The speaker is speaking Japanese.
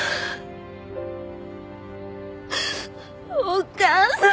お母さん！